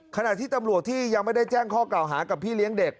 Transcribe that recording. ขณะที่ตำรวจที่ยังไม่ได้แจ้งข้อกล่าวหากับพี่เลี้ยงเด็ก